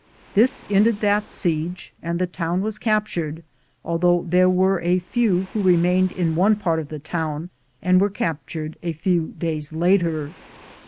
This ended that siege, and the town was captured, although there were a few who remained in one part of the town and were captured a few days later.